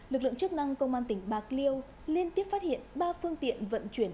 lực lượng chức năng công an tỉnh bạc liêu liên tiếp phát hiện ba phương tiện vận chuyển